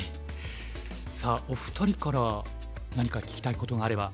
さあお二人から何か聞きたいことがあれば。